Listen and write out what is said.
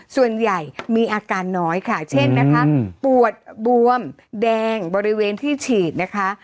ส่วนใหญ่มีอาการน้อยค่ะเช่นนะคะปวดบวมแดงบริเวณที่ฉีดนะคะ